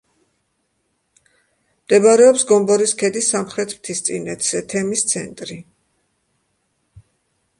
მდებარეობს გომბორის ქედის სამხრეთ მთისწინეთზე, თემის ცენტრი.